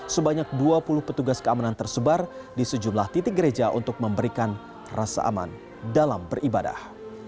sebanyak dua puluh petugas keamanan tersebar di sejumlah titik gereja untuk memberikan rasa aman dalam beribadah